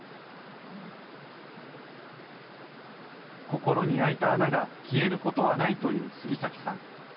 心に開いた穴が消えることはないという杉崎さん。